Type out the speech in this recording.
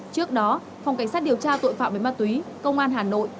trước đó phòng cảnh sát điều tra tội phạm về ma túy công an hà nội